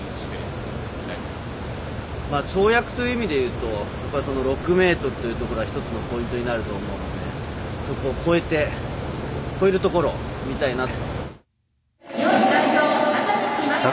跳躍という意味で言うと６メートルというところは１つのポイントになると思うのでそこを超えて超えるところを見たいなと。